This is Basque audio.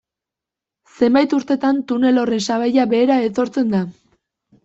Zenbait urtetan tunel horren sabaia behera etortzen da.